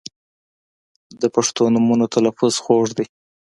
• د پښتو نومونو تلفظ خوږ دی.